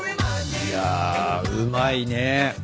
いやうまいね。